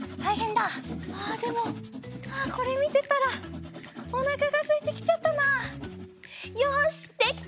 あでもこれみてたらおなかがすいてきちゃったなあ。よしできた！